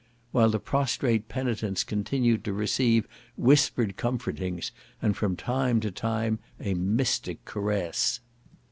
while the prostrate penitents continued to receive whispered comfortings, and from time to time a mystic caress.